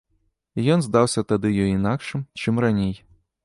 І ён здаўся тады ёй інакшым, чым раней.